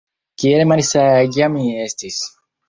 Kiel malsaĝa mi estis!